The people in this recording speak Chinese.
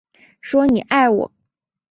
说你爱我